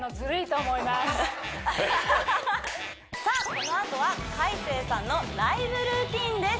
このあとは海青さんのライブルーティンです